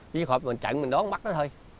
chỉ cần chặn mình đón mắt nó thôi